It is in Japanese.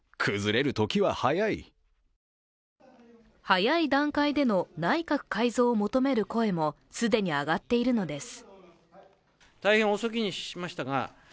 早い段階での内閣改造を求める声も既に上がっているのです。